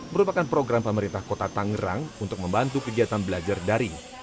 merupakan program pemerintah kota tangerang untuk membantu kegiatan belajar daring